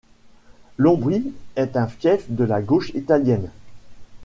L'Ombrie est un fief de la gauche italienne.